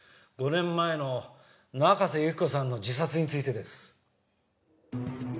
５年前の中瀬由紀子さんの自殺についてです。